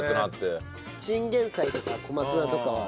チンゲン菜とか小松菜とかは。